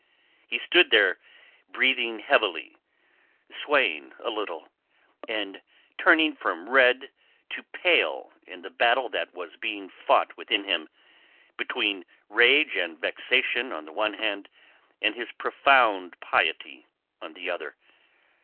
He stood there breathing heavily, swaying a little, and turning from red to pale in the battle that was being fought within him between rage and vexation on the one hand and his profound piety on the other.